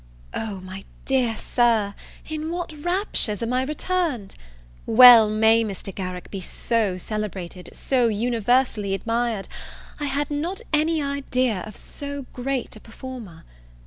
O, my dear Sir, in what raptures am I returned? Well may Mr. Garrick be so celebrated, so universally admired I had not any idea of so great a performer.